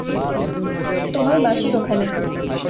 তোমার মাসির ওখানে।